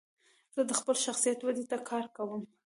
زه د خپل شخصیت ودي ته کار کوم.